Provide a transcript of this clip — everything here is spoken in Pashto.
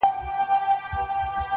څله بيا په دومره درد، ماته اړوې سترگي~